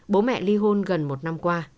bố mẹ ly hôn gần một năm qua